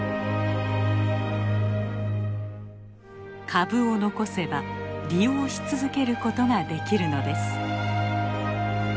株を残せば利用し続けることができるのです。